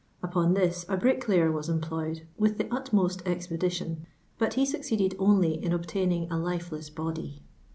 Upon this a bricklayer was employed with the utmost expe dition, but he succeeded only in obtaining a life less body.